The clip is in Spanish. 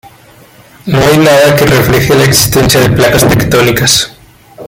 No hay nada que refleje la existencia de placas tectónicas.